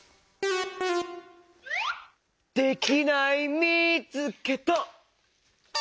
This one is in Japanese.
できないみつけた！